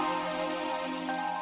aku sudah berhenti